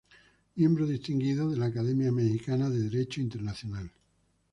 Miembro distinguido de la Academia Mexicana de Derecho Internacional.